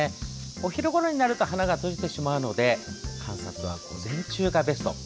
お昼ごろになると花が閉じてしまうので観察は午前中がベスト。